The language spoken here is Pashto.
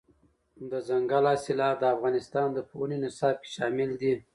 دځنګل حاصلات د افغانستان د پوهنې نصاب کې شامل دي.